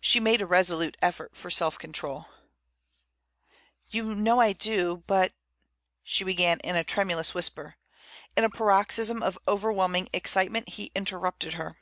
She made a resolute effort for self control. "You know I do, but—" she began in a tremulous whisper. In a paroxysm of overwhelming excitement he interrupted her.